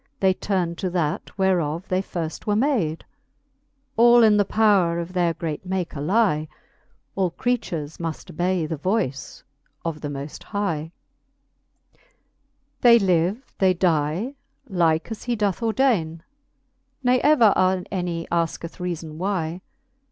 They turne to that, whereof they firft were made ? All in the power of their great Maker lie : All creatures muft obey the voice of the mofl: hie. XLI. They live, they die, like as he doth ordaine, Ne ever any asketh reafon why.